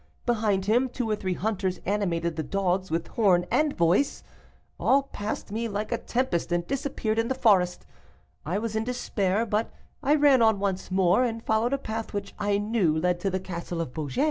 Behind him two or three hunters animated the dogs with horn and voice. All passed me like a tempest, and disappeared in the forest. I was in despair, but I ran on once more and followed a path which I knew led to the castle of Beaugé.